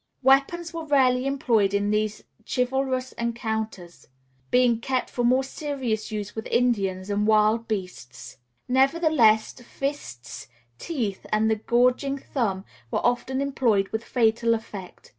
Weapons were rarely employed in these chivalrous encounters, being kept for more serious use with Indians and wild beasts; nevertheless fists, teeth, and the gouging thumb were often employed with fatal effect.